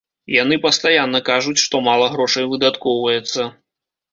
Яны пастаянна кажуць, што мала грошай выдаткоўваецца.